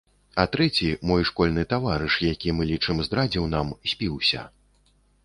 А трэці, мой школьны таварыш, які, мы лічым, здрадзіў нам, спіўся.